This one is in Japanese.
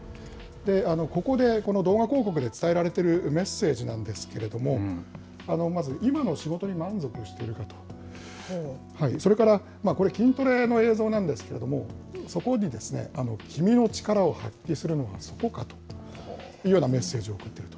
ここで動画広告で伝えられているメッセージなんですけれども、まず、今の仕事に満足しているかと、それからこれ、筋トレの映像なんですけれども、そこに、君の力を発揮するのはそこかというようなメッセージを送っている。